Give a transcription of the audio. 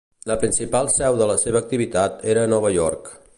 La principal seu de la seva activitat era a Nova York.